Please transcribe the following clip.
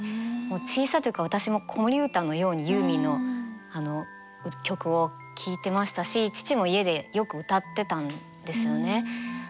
小さい時から私も子守歌のようにユーミンの曲を聴いてましたし父も家でよく歌ってたんですよね。